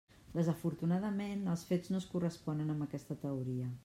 Desafortunadament els fets no es corresponen amb aquesta teoria.